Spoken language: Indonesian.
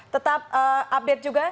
tetap update juga